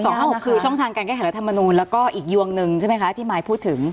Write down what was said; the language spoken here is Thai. ห้าหกคือช่องทางการแก้ไขรัฐมนูลแล้วก็อีกยวงหนึ่งใช่ไหมคะที่มายพูดถึง